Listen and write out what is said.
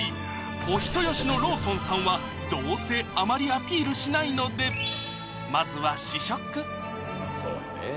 お人よしのローソンさんはどうせあまりアピールしないのでまずは試食うまそうやねぇ